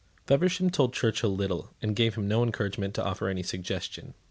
Feversham told Churchill little, and gave him no encouragement to offer any suggestion.